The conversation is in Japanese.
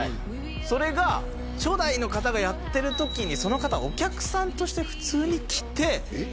それが初代の方がやってる時にその方お客さんとして普通に来てえっ？